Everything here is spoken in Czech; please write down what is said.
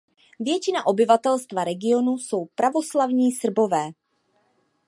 Většina obyvatelstva regionu jsou pravoslavní Srbové.